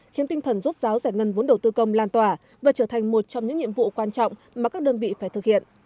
khiến tinh thần rốt ráo giải ngân vốn đầu tư công lan tỏa và trở thành một trong những nhiệm vụ quan trọng mà các đơn vị phải thực hiện